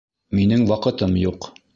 Минең ваҡытым юҡ.